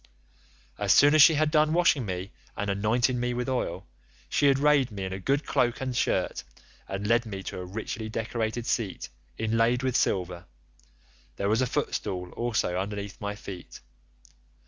As soon as she had done washing me and anointing me with oil, she arrayed me in a good cloak and shirt and led me to a richly decorated seat inlaid with silver; there was a footstool also under my feet.